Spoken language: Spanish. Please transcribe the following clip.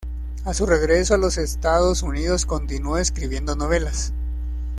A su regreso a los Estados Unidos continuó escribiendo novelas.